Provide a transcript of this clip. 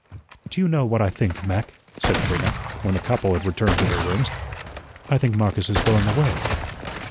"Do you know what I think, Mac?" said Trina, when the couple had returned to their rooms. "I think Marcus is going away."